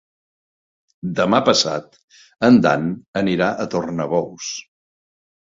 Demà passat en Dan anirà a Tornabous.